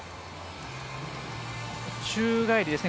宙返りですね